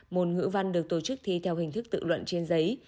môn ngữ văn được tổ chức thi theo hình thức tự luận trên giấy